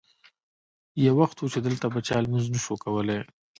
یو وخت و چې دلته به چا لمونځ نه شو کولی.